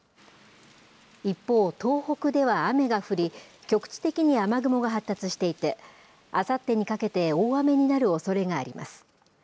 一方、東北では雨が降り、局地的に雨雲が発達していて、あさってにかけて大雨になるおそれがあります。